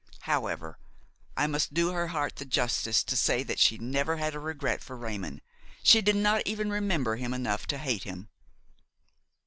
However, I must do her heart the justice to say that she never had a regret for Raymon; she did not even remember him enough to hate him.